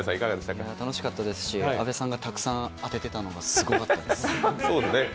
楽しかったですし阿部さんがたくさん当ててたのがすごかったです。